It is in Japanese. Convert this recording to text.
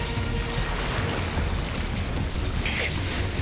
くっ。